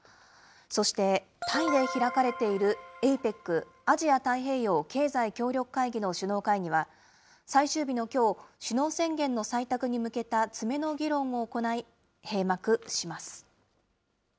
そして、タイで開かれているＡＰＥＣ・アジア太平洋経済協力会議の首脳会議は、最終日のきょう、首脳宣言の採択に向けた詰めの議論を行い、閉幕します。